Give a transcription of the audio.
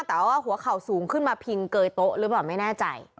แต่ว่าหัวเข่าสูงขึ้นมาพิงเกยโต๊ะหรือเปล่าไม่แน่ใจ